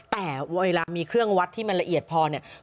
แต่เวลามีเครื่องวัดที่มันละเอียดพอเนี่ย